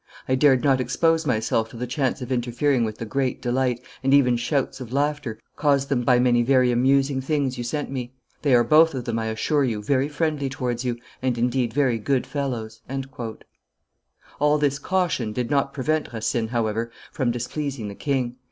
I dared not expose myself to the chance of interfering with the great delight, and even shouts of laughter, caused them by many very amusing things you sent me. They are both of them, I assure you, very friendly towards you, and indeed very good fellows." All this caution did not prevent Racine, however, from dis pleasing the king.